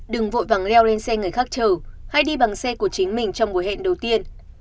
đừng vội vàng leo lên xe người khác chở hay đi bằng xe của chính mình trong mùa hẹn đầu tiên